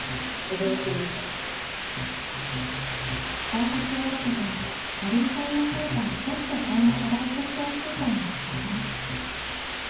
考察を受けてかりんさんが書いたステップ３の課題設定シートがこちら。